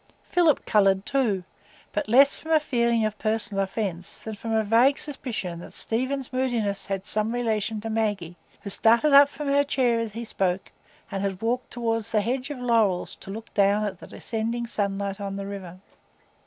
Philip coloured too, but less from a feeling of personal offence than from a vague suspicion that Stephen's moodiness had some relation to Maggie, who had started up from her chair as he spoke, and had walked toward the hedge of laurels to look at the descending sunlight on the river.